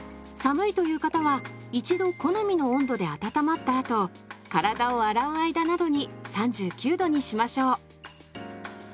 寒いという方は一度好みの温度で温まったあと体を洗う間などに３９℃にしましょう。